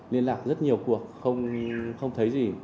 liên lạc rất nhiều cuộc không thấy gì